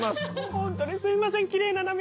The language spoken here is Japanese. ホントにすいません。